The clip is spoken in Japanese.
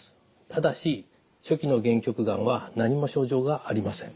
ただし初期の限局がんは何も症状がありません。